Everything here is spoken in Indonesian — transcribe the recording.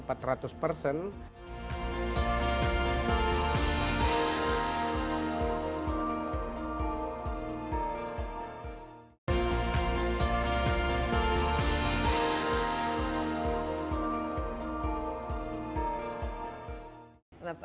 baik kita sudah di amazon